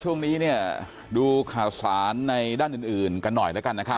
ช่วงนี้ดูขสานในด้านอื่นกันหน่อย